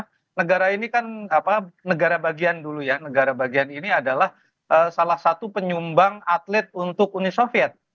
karena negara ini kan apa negara bagian dulu ya negara bagian ini adalah salah satu penyumbang atlet untuk uni soviet